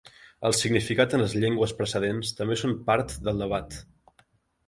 El significat en les llengües precedents també són part del debat.